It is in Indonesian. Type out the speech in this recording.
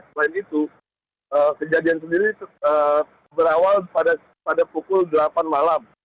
selain itu kejadian sendiri berawal pada pukul delapan malam